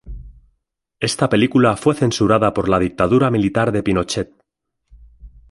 Esta película fue censurada por la dictadura militar de Pinochet.